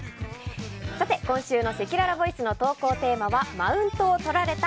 今週のせきららボイスの投稿テーマはマウントをとられた！